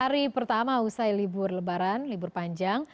hari pertama usai libur lebaran libur panjang